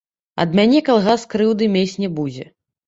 Ад мяне калгас крыўды мець не будзе.